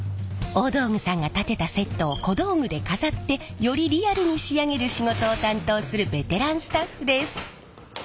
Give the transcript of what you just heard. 大道具さんが建てたセットを小道具で飾ってよりリアルに仕上げる仕事を担当するベテランスタッフです。